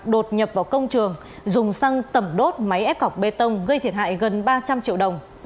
các đối tượng đã nhập vào công trường dùng xăng tẩm đốt máy ép cọc bê tông gây thiệt hại gần ba trăm linh triệu đồng